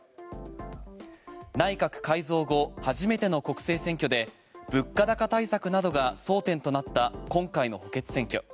内閣改造後初めての国政選挙で物価高対策などが争点となった今回の補欠選挙。